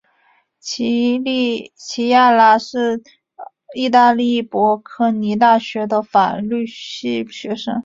琪亚拉是意大利博科尼大学的法律系学生。